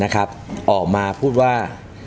ออกมาพูดว่า